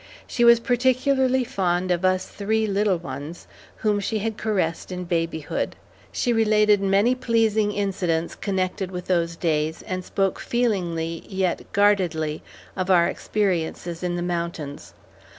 She was particularly fond of us "three little ones" whom she had caressed in babyhood. She related many pleasing incidents connected with those days, and spoke feelingly, yet guardedly, of our experiences in the mountains.